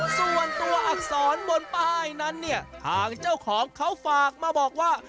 ส่วนตัวอักษรบนป้ายนั้นเนี่ยทางเจ้าของเขาฝากมาบอกว่า